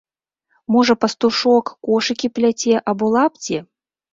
Можа пастушок кошыкі пляце або лапці?